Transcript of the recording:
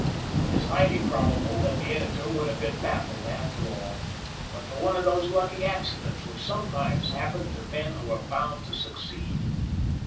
It is highly probable that the editor would have been baffled after all, but for one of those lucky accidents which sometimes happen to men who are bound to succeed.